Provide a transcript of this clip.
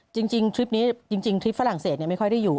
จริงทริปนี้จริงทริปฝรั่งเศสไม่ค่อยได้อยู่